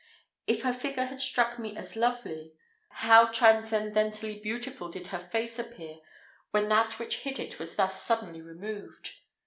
If her figure had struck me as lovely, how transcendently beautiful did her face appear when that which hid it was thus suddenly removed.